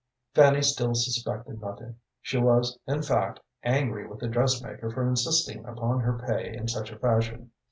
Fanny still suspected nothing. She was, in fact, angry with the dressmaker for insisting upon her pay in such a fashion.